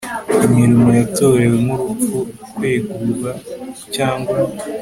imirimo yatorewe nk urupfu kwegura cyangwa